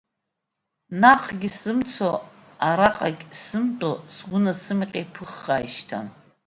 Наҟгьы сзымцо, араҟагь сзымтәо, сгәы насымҟьа иԥыххаа ишьҭан.